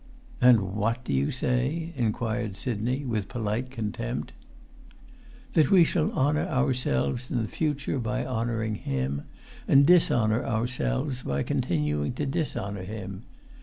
"And what do you say?" inquired Sidney, with polite contempt. "That we shall honour ourselves in future by honouring him, and dishonour ourselves by continuing to dishonour him.